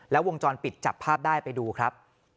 แล้ววงจรปิดจับภาพได้ไปดูครับ